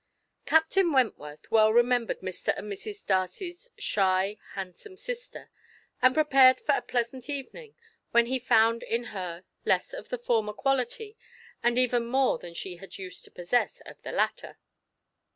Captain Wentworth well remembered Mr. and Mrs. Darcy's shy, handsome sister, and prepared for a pleasant evening when he found in her less of the former quality, and even more than she had used to possess of the latter.